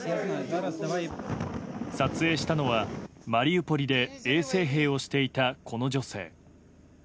撮影したのは、マリウポリで衛生兵をしていたこの女性。